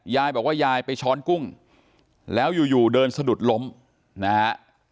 ยายบอกว่ายายไปช้อนกุ้งแล้วอยู่เดินสะดุดล้มนะฮะ